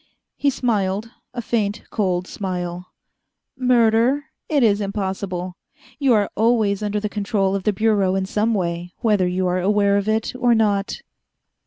He smiled, a faint, cold smile. "Murder? It is impossible. You are always under the control of the Bureau in some way, whether you are aware of it or not."